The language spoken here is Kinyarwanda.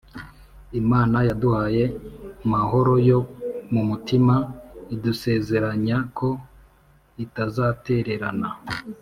Imana yaduhaye mahoro yo mu mutima idusezeranya ko itazatererana